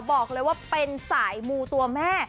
บอกเลยว่าเป็นสายมูตัวแม่